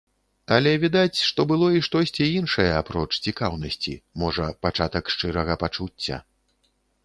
Але відаць, што было і штосьці іншае апроч цікаўнасці, можа, пачатак шчырага пачуцця.